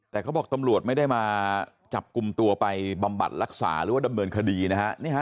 แต่เขาบอกตำรวจไม่ได้มาจับกลุ่มตัวไปบำบัดรักษาหรือว่าดำเนินคดีนะฮะ